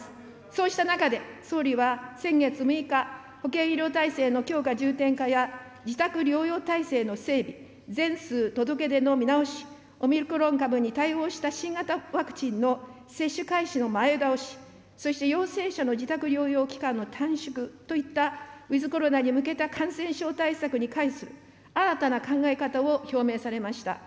そうした中で、総理は先月６日、保健医療体制の強化、重点化や、自宅療養体制の整備、全数届け出の見直し、オミクロン株に対応した新型ワクチンの接種開始の前倒し、そして陽性者の自宅療養期間の短縮といった、ウィズコロナに向けた感染症対策に関する新たな考え方を表明されました。